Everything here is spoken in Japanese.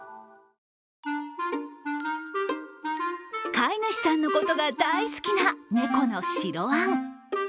飼い主さんのことが大好きな猫のしろあん。